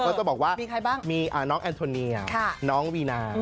เขาจะบอกว่ามีน้องแอนโทเนี่ยน้องวีน่า